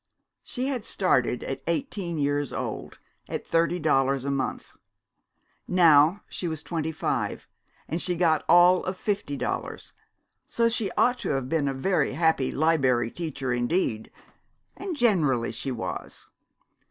She had started at eighteen years old, at thirty dollars a month. Now she was twenty five, and she got all of fifty dollars, so she ought to have been a very happy Liberry Teacher indeed, and generally she was.